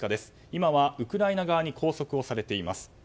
今はウクライナ側に拘束されています。